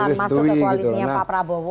masuk ke koalisnya pak prabowo